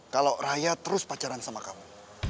kalau raya terus pacaran sama kamu